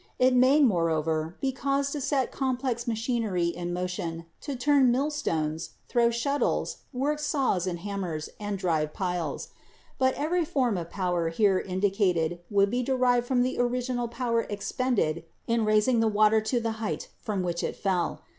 It may, moreover, be caused to set complex machinery in motion, to turn millstones, throw shuttles, work saws and hammers, and drive piles. But every form of power here indicated would be derived from the original power expended in raising the water to the height from which it fell.